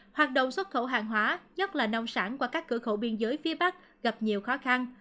hoạt động xuất khẩu hàng hóa nhất là nông sản qua các cửa khẩu biên giới phía bắc gặp nhiều khó khăn